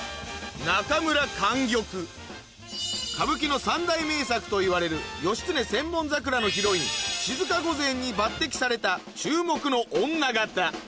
歌舞伎の三代名作といわれる『義経千本桜』のヒロイン静御前に抜擢された注目の女形